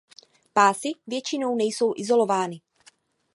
Pásy většinou nejsou izolovány.